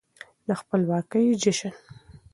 د خپلواکۍ جشن